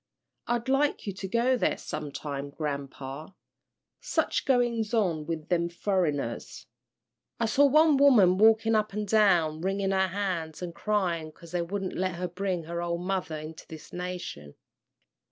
I'd like you to go there sometime, grampa. Such goings on with them furriners! I saw one woman walkin' up and down wringin' her hands an' cryin' 'cause they wouldn't let her bring her ole mother into this nation."